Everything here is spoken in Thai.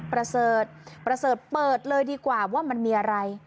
ประเสริฐประเสริฐเปิดเลยดีกว่าว่ามันมีอะไร